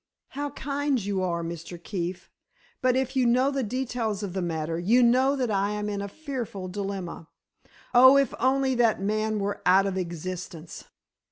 "How kind you are, Mr. Keefe. But if you know the details of the matter, you know that I am in a fearful dilemma. Oh, if only that man were out of existence!"